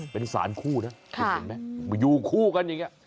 เป็นสารคู่นะคุณเห็นไหมอยู่คู่กันอย่างนี้